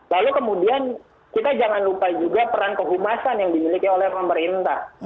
lalu kemudian kita jangan lupa juga peran kehumasan yang dimiliki oleh pemerintah